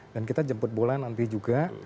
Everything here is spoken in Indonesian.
dan kita jemput bola nanti juga